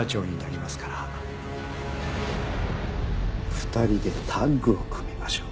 ２人でタッグを組みましょう。